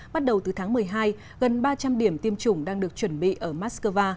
bắt đầu từ tháng một mươi hai gần ba trăm linh điểm tiêm chủng đang được chuẩn bị ở moscow